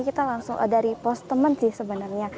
kita langsung lihat dari teman teman